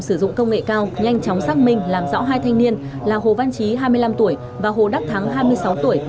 sử dụng công nghệ cao nhanh chóng xác minh làm rõ hai thanh niên là hồ văn trí hai mươi năm tuổi và hồ đắc thắng hai mươi sáu tuổi